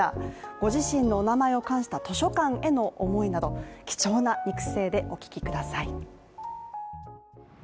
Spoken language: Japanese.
ご自身のお名前を冠した図書館への思いなど貴重な肉声でお聞きください。